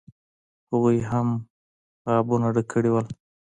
هغوی هم قابونه ډک کړي وو.